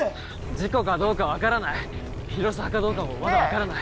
事故かどうか分からない広沢かどうかも分からない